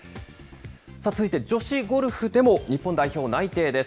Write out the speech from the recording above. さあ、続いて女子ゴルフでも日本代表内定です。